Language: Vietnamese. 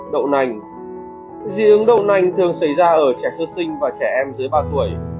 dị ứng đậu nành thường xảy ra ở trẻ sơ sinh và trẻ em dưới ba tuổi